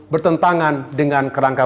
bertentangan dengan kerangka